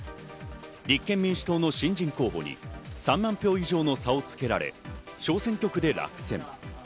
立憲民主党の新人候補に３万票以上の差をつけられ、小選挙区で落選。